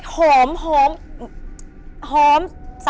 หอมหอม